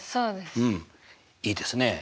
うんいいですね。